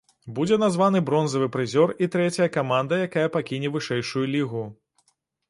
Будзе названы бронзавы прызёр і трэцяя каманда, якая пакіне вышэйшую лігу.